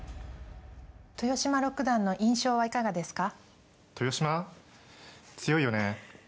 豊島六段の印象はいかがですか？